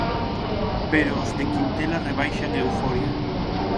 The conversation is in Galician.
Pero os de Quintela rebaixan a euforia.